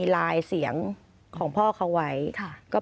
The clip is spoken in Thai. ขอมอบจากท่านรองเลยนะครับขอมอบจากท่านรองเลยนะครับขอมอบจากท่านรองเลยนะครับ